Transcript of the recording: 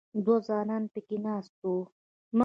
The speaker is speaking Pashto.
دوه ځوانان په کې ناست وو.